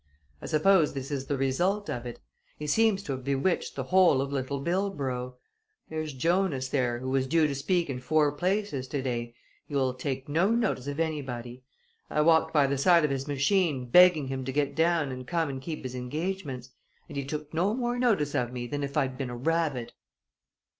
"I suppose this is the result of it. He seems to have bewitched the whole of Little Bildborough. There's Jonas there, who was due to speak in four places today he will take no notice of anybody. I walked by the side of his machine, begging him to get down and come and keep his engagements, and he took no more notice of me than if I'd been a rabbit!